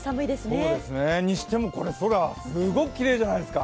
それにしてもこの空、すごくきれいじゃないですか？